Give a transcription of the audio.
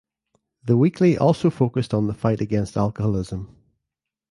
The weekly also focused on the fight against alcoholism.